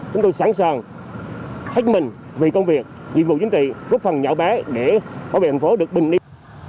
chúng tôi sẵn sàng hết mình vì công việc nhiệm vụ chính trị góp phần nhỏ bé để bảo vệ thành phố được bình yên